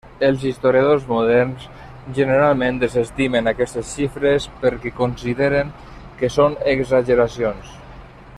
Els historiadors moderns generalment desestimen aquestes xifres perquè consideren que són exageracions.